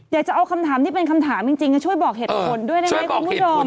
อยากจะเอาคำถามที่เป็นคำถามจริงช่วยบอกเหตุผลด้วยได้ไหมคุณผู้ชม